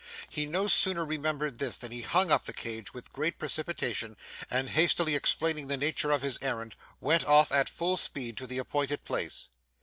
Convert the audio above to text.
He no sooner remembered this, than he hung up the cage with great precipitation, and hastily explaining the nature of his errand, went off at full speed to the appointed place.